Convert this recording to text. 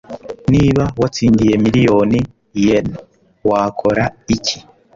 Niba watsindiye miliyoni yen wakora iki